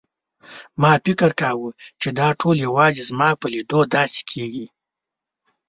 ما فکر کاوه چې دا ټول یوازې زما په لیدو داسې کېږي.